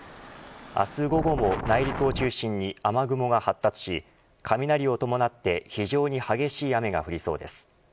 明日午後も内陸を中心に雨雲が発達し雷を伴って非常に激しい雨が降りそうです。